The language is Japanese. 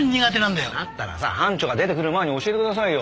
だったらさ班長が出てくる前に教えてくださいよ。